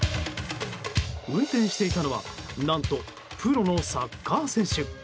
運転していたのは何と、プロのサッカー選手。